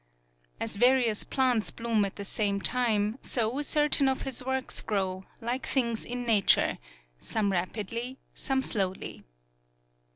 As various plants bloom at the same time, so certain of his works grow, like things in nature, some rap idly, some slowly.